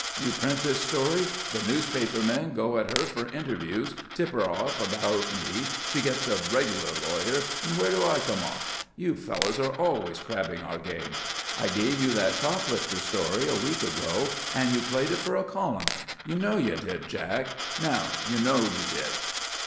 You print this story, the newspaper men go at her for interviews, tip her off about me, she gets a regular lawyer, and where do I come off? You fellows are always crabbing our game. I gave you that shoplifter story a week ago and you played it for a column. You know you did, Jack; now you know you did."